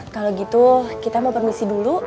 kalau gitu kita mau permisi dulu